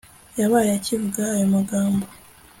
yabaye akivuga ayo magambo